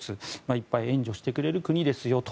いっぱい援助してくれる国ですよと。